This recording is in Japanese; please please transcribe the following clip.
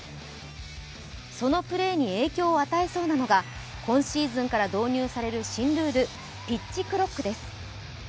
そのプレーに影響を与えそうなのが、今シーズンから導入される新ルール、ピッチクロックです。